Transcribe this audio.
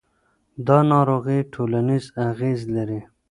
دا ناروغي ټولنیز اغېز لري.